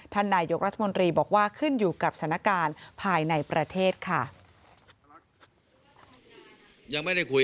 นายกรัฐมนตรีบอกว่าขึ้นอยู่กับสถานการณ์ภายในประเทศค่ะ